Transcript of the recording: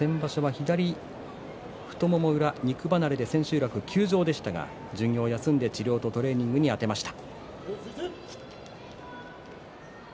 左太もも裏の肉離れで先場所、休場でしたが巡業を休んでトレーニングにあてました。